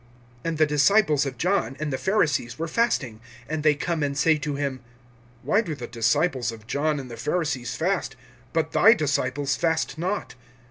(18)And the disciples of John, and the Pharisees, were fasting[2:18]; and they come and say to him: Why do the disciples of John and the Pharisees fast, but thy disciples fast not?